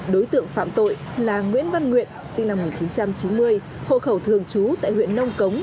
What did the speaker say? đối tượng phạm tội là nguyễn văn nguyện sinh năm một nghìn chín trăm chín mươi hộ khẩu thường trú tại huyện nông cống